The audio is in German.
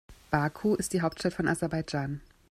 Baku ist die Hauptstadt von Aserbaidschan.